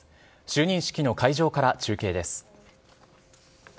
就任式の会場から中継です。